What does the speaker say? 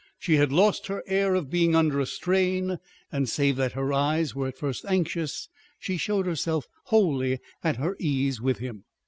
She had lost her air of being under a strain, and save that her eyes were at first anxious, she showed herself wholly at her ease with him.